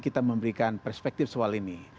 kita memberikan perspektif soal ini